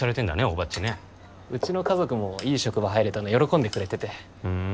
大庭っちねうちの家族もいい職場入れたの喜んでくれててふーん